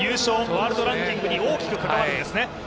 ワールドランキングに大きくかかわりますね。